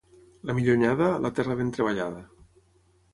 La millor anyada, la terra ben treballada.